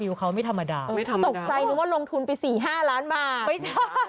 วิวเค้าไม่ธรรมดาไม่ธรรมดาตกใจนึกว่าลงทุนไปสี่ห้าร้านบาท